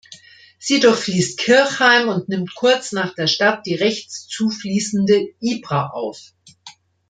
Sie durchfließt Kirchheim und nimmt kurz nach der Stadt die rechts zufließende "Ibra" auf.